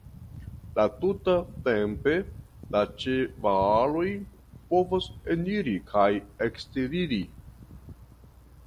La tuta tempe la ĉevaloj povas eniri kaj eksteriri.